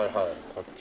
こっち。